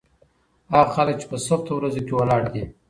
هغه خلک چې په سختو ورځو کې ولاړ دي.